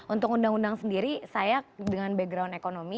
untuk undang undang sendiri saya dengan background ekonomi